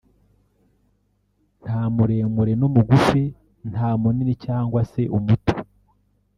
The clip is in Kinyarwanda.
nta muremure n’umugufi nta munini cyangwa se umuto